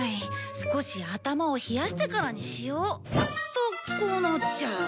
少し頭を冷やしてからにしようとこうなっちゃう。